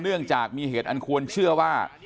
เนื่องจากมีเหตุอันควรเชื่อว่า